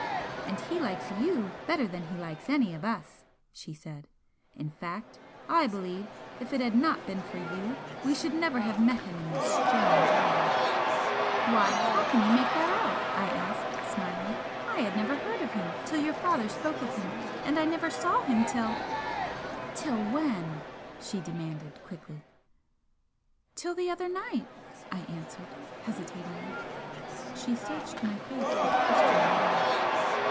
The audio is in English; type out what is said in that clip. "And he likes YOU better than he likes any of us," she said "In fact, I believe if it had not been for you, we should never have met him in this strange way " "Why, how can you make that out?" I asked, smiling. "I never heard of him till your father spoke of him, and never saw him till " "Till when?" she demanded, quickly. "Till the other night," I answered, hesitatingly. She searched my face with questioning eyes.